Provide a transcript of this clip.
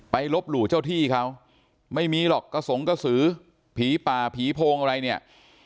ลบหลู่เจ้าที่เขาไม่มีหรอกกระสงกระสือผีป่าผีโพงอะไรเนี่ย